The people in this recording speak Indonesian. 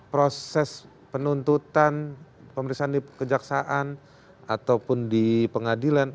proses penuntutan pemeriksaan di kejaksaan ataupun di pengadilan